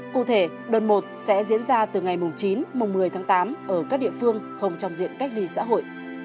cụ thể đợt một sẽ diễn ra từ ngày chín một mươi tháng tám ở các địa phương không trong diện cách ly xã hội